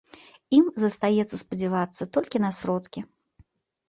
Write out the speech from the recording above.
Ім застаецца спадзявацца толькі на сродкі.